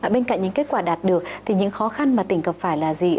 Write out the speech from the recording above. bên cạnh những kết quả đạt được thì những khó khăn mà tỉnh gặp phải là gì